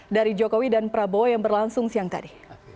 dari jokowi dan prabowo yang berlangsung siang tadi